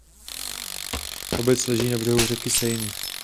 Obec leží na břehu řeky Seiny.